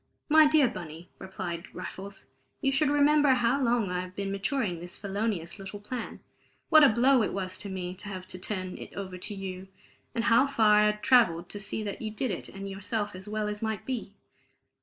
"My dear Bunny," replied Raffles, "you should remember how long I had been maturing felonious little plan, what a blow it was to me to have to turn it over to you, and how far I had travelled to see that you did it and yourself as well as might be.